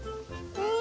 うん！